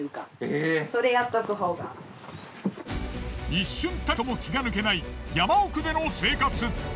一瞬たりとも気が抜けない山奥での生活。